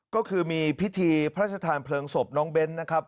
ก็คือมีพิธีพระชธานเพลิงศพน้องเบ้นนะครับ